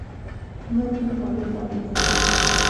احمد تل خوږې خبرې کوي.